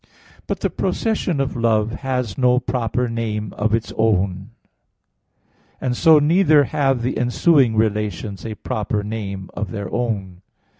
But the procession of Love has no proper name of its own (Q. 27, A. 4); and so neither have the ensuing relations a proper name of their own.